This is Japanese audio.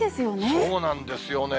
そうなんですよね。